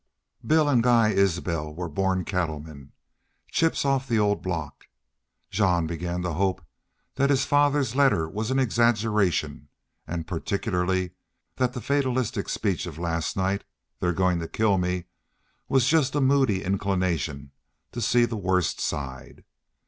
Bill and Guy Isbel were born cattlemen chips of the old block. Jean began to hope that his father's letter was an exaggeration, and particularly that the fatalistic speech of last night, "they are goin' to kill me," was just a moody inclination to see the worst side.